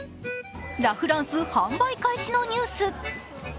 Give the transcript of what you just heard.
ラ・フランス販売開始のニュース